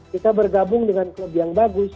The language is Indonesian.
kita bergabung dengan klub yang bagus